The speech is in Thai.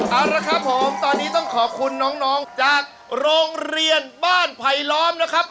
เอาละครับผมตอนนี้ต้องขอบคุณน้องจากโรงเรียนบ้านไผลล้อมนะครับ